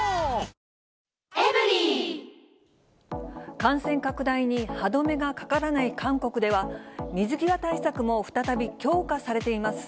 感染拡大に歯止めがかからない韓国では、水際対策も再び強化されています。